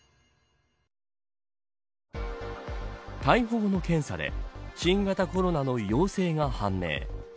逮捕後の検査で新型コロナの陽性が判明。